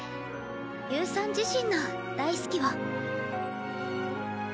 侑さん自身の大好きを。